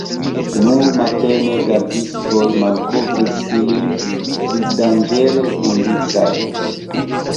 Nur matene gardistoj malkovris ilin, vivdanĝere vunditajn.